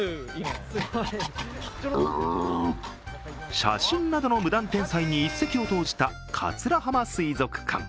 写真などの無断転載に一石を投じた桂浜水族館。